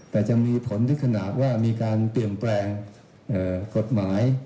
แต่จะมีผลถึงขนาดว่ามีการเปลี่ยนแปลงกฎหมาย